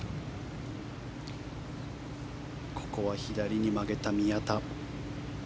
ここは左に曲げた宮田。